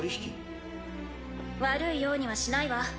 悪いようにはしないわ。